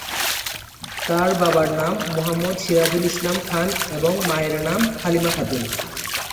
তার বাবার নাম মোহাম্মদ সিরাজুল ইসলাম খান এবং মায়ের নাম হালিমা খাতুন।